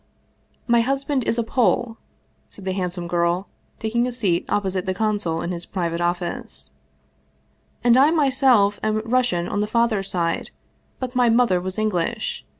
" My husband is a Pole," said the handsome girl, taking a seat opposite the consul in his private office, " and I my self am Russian on the father's side, but my mother was English.